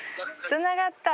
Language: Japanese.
つながった！